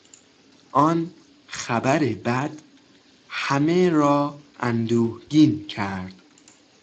آن خبر بد همه را اندوهگین کرد.